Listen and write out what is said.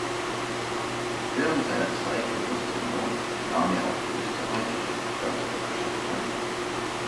Während seiner Zeit in Lustenau nahm er auch die österreichische Staatsbürgerschaft an.